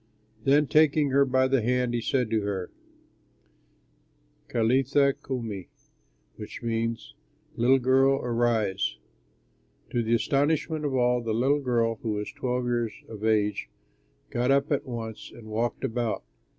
Then, taking her by the hand, he said to her, "Talitha koumi," which means, "Little girl, arise." To the astonishment of all, the little girl (who was twelve years of age) got up at once and walked about.